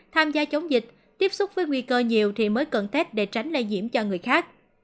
tham gia chống dịch tiếp xúc với nguy cơ nhiều thì mới cận tết để tránh lây nhiễm cho người khác